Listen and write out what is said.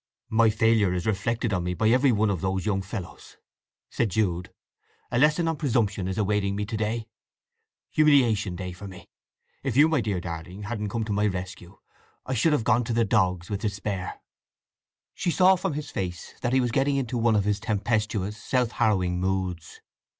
"My failure is reflected on me by every one of those young fellows," said Jude. "A lesson on presumption is awaiting me to day!—Humiliation Day for me! … If you, my dear darling, hadn't come to my rescue, I should have gone to the dogs with despair!" She saw from his face that he was getting into one of his tempestuous, self harrowing moods.